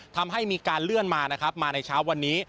ทำให้มีการเลื่อนมานะครับมาในเช้าวันนี้